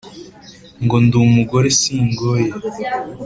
ngo ndi umugore singoye